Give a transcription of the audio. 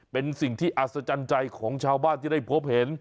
เป็นสิ่งที่อัศจรรย์ใจของชาวบ้านที่ได้พบเห็น